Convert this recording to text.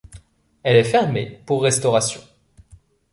Elle est fermée pour restauration.